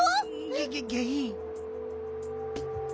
ギャギャギャイ。